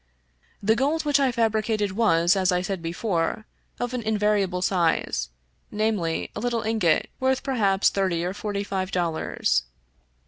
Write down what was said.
" The gold which I fabricated was, as I said before, of an invariable size, namely, a little ingot worth perhaps thirty or forty five dollars.